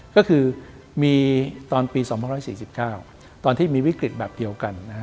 ก็คือมีตอนปี๒๔๙ตอนที่มีวิกฤตแบบเดียวกัน